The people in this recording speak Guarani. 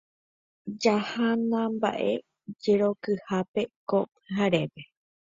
Jahánamba'e jerokyhápe ko pyharépe.